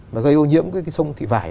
mà gây ô nhiễm cái sông thị vải